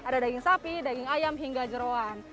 dari ayam hingga jerawan